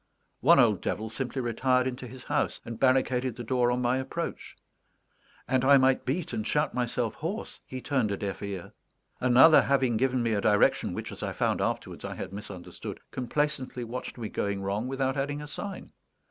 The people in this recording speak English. One old devil simply retired into his house, and barricaded the door on my approach; and I might beat and shout myself hoarse, he turned a deaf ear. Another, having given me a direction which, as I found afterwards, I had misunderstood, complacently watched me going wrong without adding a sign.